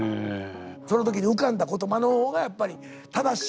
その時に浮かんだ言葉の方がやっぱり正しい。